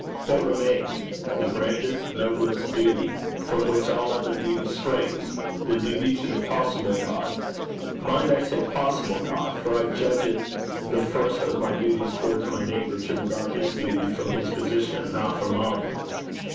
What remains? The grandest, noblest duty from which all other duty springs: the duty to the possible God. Mind, I say possible God, for I judge it the first of my duties towards my neighbour to regard his duty from his position, not from mine.'